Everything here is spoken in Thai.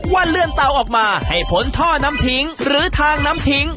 ว่าเลื่อนเตาออกมาให้พ้นท่อน้ำทิ้งหรือทางน้ำทิ้ง